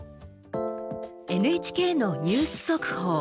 ＮＨＫのニュース速報。